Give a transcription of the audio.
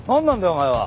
お前は。